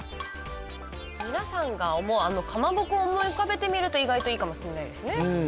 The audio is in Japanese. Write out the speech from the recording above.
皆さんが思うあのかまぼこを思い浮かべてみると意外といいかもしれないですね。